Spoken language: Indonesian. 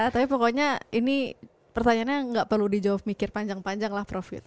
tapi pokoknya ini pertanyaannya nggak perlu dijawab mikir panjang panjang lah prof gitu